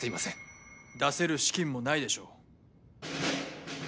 出せる資金もないでしょう。